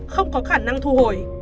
không có khả năng thu hồi